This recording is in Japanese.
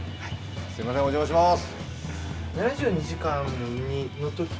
すいませんお邪魔します。